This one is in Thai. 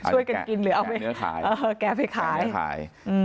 ช่วยกันกินหรือเอาไปแกะเนื้อขาย